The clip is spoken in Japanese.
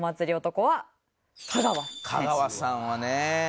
香川さんはね。